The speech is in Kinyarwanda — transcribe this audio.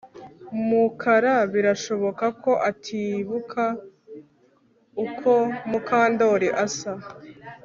Mukara birashoboka ko atibuka uko Mukandoli asa